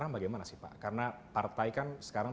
pada saat sekarang